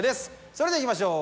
それではいきましょう。